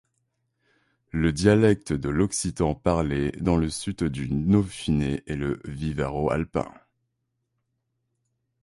Le dialecte de l'occitan parlé dans le sud du Dauphiné est le vivaro-alpin.